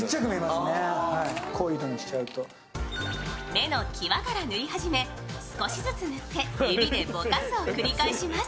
目の際から塗り始め、少しずつ塗って指でぼかすを繰り返します。